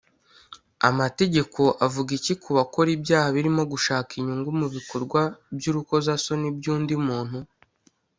Amategeko avuga iki ku bakora ibyaha birimo gushaka inyungu mu bikorwa by’urukozasoni by’undi muntu